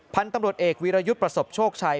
พันธุ์ตำรวจเอกวีรยุทธ์ประสบโชคชัย